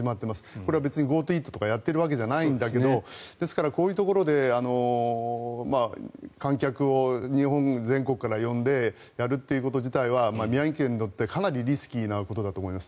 これは別にＧｏＴｏイートとかやっているわけじゃないんだけどですから、こういうところで観客を日本全国から呼んでやるということ自体は宮城県にとってかなりリスキーなことだと思います。